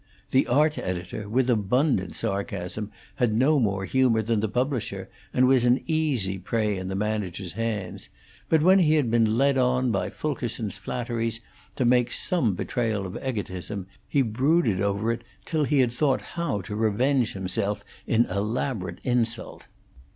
The art editor, with abundant sarcasm, had no more humor than the publisher, and was an easy prey in the manager's hands; but when he had been led on by Fulkerson's flatteries to make some betrayal of egotism, he brooded over it till he had thought how to revenge himself in elaborate insult.